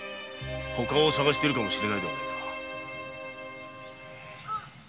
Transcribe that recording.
他を捜しているかもしれないではないか。